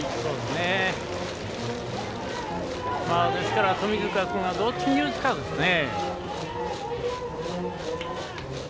ですから、富塚君はどっちに打つかですね。